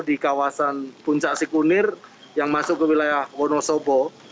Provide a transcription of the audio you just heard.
di kawasan puncak sikunir yang masuk ke wilayah wonosobo